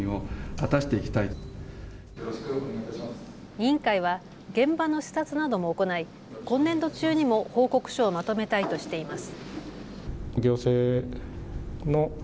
委員会は現場の視察なども行い今年度中にも報告書をまとめたいとしています。